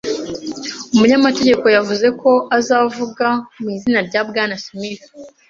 Umunyamategeko yavuze ko azavuga mu izina rya Bwana Smith.